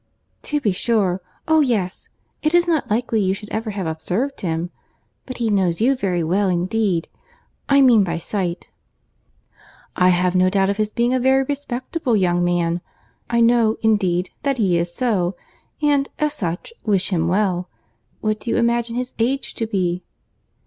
"To be sure. Oh yes! It is not likely you should ever have observed him; but he knows you very well indeed—I mean by sight." "I have no doubt of his being a very respectable young man. I know, indeed, that he is so, and, as such, wish him well. What do you imagine his age to be?"